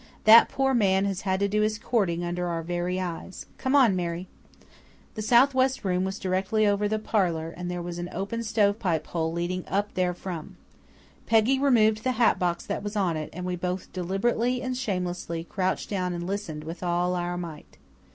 That poor man has had to do his courting under our very eyes. Come on, Mary." The south west room was directly over the parlour and there was an open stovepipe hole leading up therefrom. Peggy removed the hat box that was on it, and we both deliberately and shamelessly crouched down and listened with all our might.